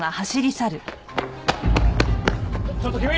ちょっと君！